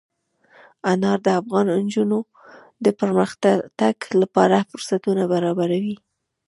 انار د افغان نجونو د پرمختګ لپاره فرصتونه برابروي.